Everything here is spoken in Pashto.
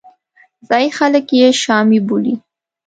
ځایي خلک یې شامي بولي.